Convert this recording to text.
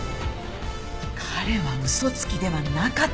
彼は嘘つきではなかった。